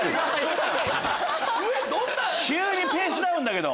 急にペースダウンだけど。